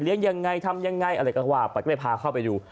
เลี้ยงยังไงทำยังไงอะไรก็ว่าแต่ไม่พาเข้าไปดู